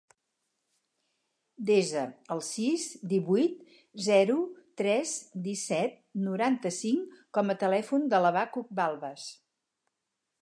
Desa el sis, divuit, zero, tres, disset, noranta-cinc com a telèfon de l'Habacuc Balbas.